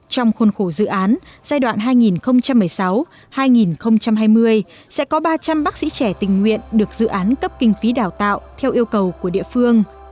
trong khuôn khổ dự án giai đoạn hai nghìn một mươi sáu hai nghìn hai mươi sẽ có ba trăm linh bác sĩ trẻ tình nguyện được dự án cấp kinh phí đào tạo theo yêu cầu của địa phương